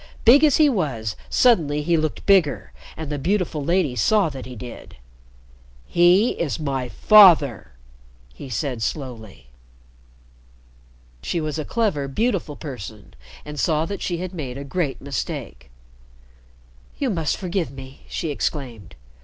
Big as he was, suddenly he looked bigger, and the beautiful lady saw that he did. "He is my father," he said slowly. She was a clever, beautiful person, and saw that she had made a great mistake. "You must forgive me," she exclaimed.